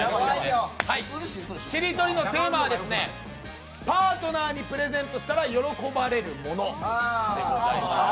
しりとりのテーマはパートナーにプレゼントしたら喜ばれるものです。